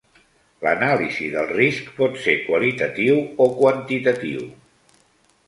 L'anàlisi del risc pot ser qualitatiu o quantitatiu.